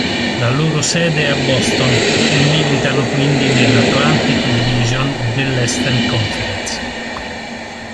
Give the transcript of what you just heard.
La loro sede è a Boston, e militano quindi nell'Atlantic Division dell'Eastern Conference.